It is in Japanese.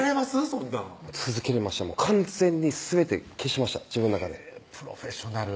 そんなん続けれました完全にすべて消しました自分の中でプロフェッショナル